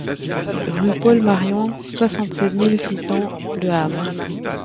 Rue Paul Marion, soixante-seize mille six cents Le Havre